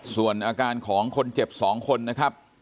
ส่วนอาการของคนเจ็บ๒คนนะครับ